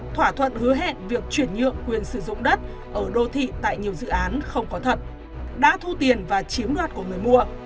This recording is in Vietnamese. thỏa thuận hứa hẹn việc chuyển nhượng quyền sử dụng đất ở đô thị tại nhiều dự án không có thật đã thu tiền và chiếm đoạt của người mua